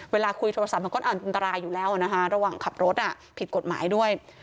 เวลาคุยโทรศัพท์มันก็อันตรายอยู่แล้วนะคะระหว่างขับรถผิดกฎหมายด้วย